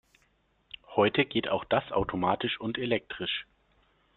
Heute geht auch das automatisch und elektrisch.